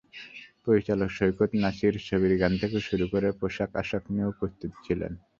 পরিচালক সৈকত নাসির ছবির গান থেকে শুরু করে পোশাক-আশাক নিয়ে প্রস্তুতও ছিলেন।